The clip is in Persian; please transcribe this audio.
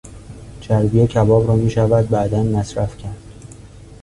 چربی کباب را میشود بعدا مصرف کرد.